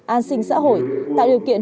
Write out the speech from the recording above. an sinh xã hội tạo điều kiện